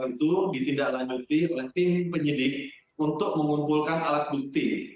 tentu ditindaklanjuti oleh tim penyidik untuk mengumpulkan alat bukti